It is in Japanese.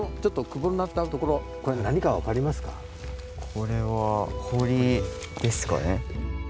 これは堀ですかね。